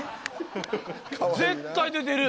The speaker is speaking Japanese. ［絶対出てる］